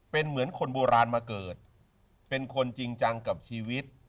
เป็นเหมือนคนโบราณมาเกิดเป็นคนจริงจังกับชีวิต